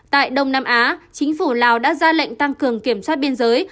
tại đông nam á chính phủ lào đã ra lệnh tăng cường kiểm soát biên giới